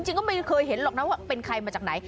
จริงก็ไม่เคยเห็นหรอกนะว่าเป็นใครมาจากไหน